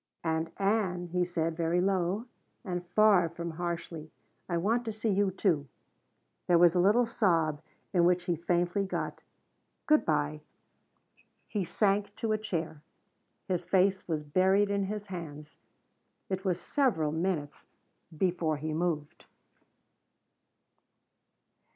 "And, Ann," he said, very low, and far from harshly, "I want to see you, too." There was a little sob in which he faintly got "Good bye." He sank to a chair. His face was buried in his hands. It was several minutes before he moved.